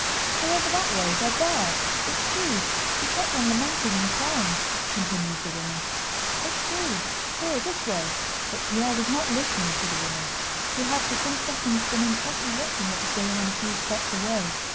"Go over that way, they're there. It's she! She kept on lamenting and crying," continued the woman. "It's she. Here, this way!" But Pierre was not listening to the woman. He had for some seconds been intently watching what was going on a few steps away.